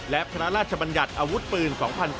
และพระราชบัญญัติอาวุธปืน๒๙